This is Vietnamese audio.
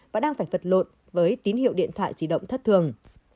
và đang phải vật lộn với tín hiệu điện thoại di động thất thường